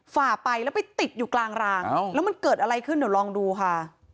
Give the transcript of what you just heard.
ฝ่าไปแล้วไปติดอยู่กลางรางแล้วมันเกิดอะไรขึ้นเดี๋ยวลองดูค่ะ